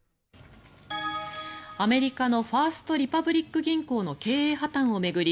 アメリカのファースト・リパブリック銀行の経営破たんを巡り